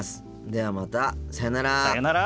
ではまたさようなら。